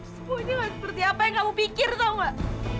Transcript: seperti apa yang kamu pikir tau gak